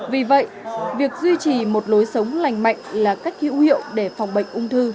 vì vậy việc duy trì một lối sống lành mạnh là cách hữu hiệu để phòng bệnh ung thư